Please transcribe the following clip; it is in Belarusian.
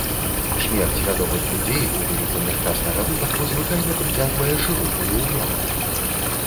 Смерць вядомых людзей у выніку няшчаснага выпадку звычайна прыцягвае шырокую ўвагу.